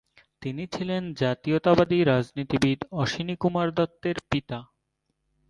তিনি ছিলেন জাতীয়তাবাদী রাজনীতিবিদ অশ্বিনী কুমার দত্তের পিতা।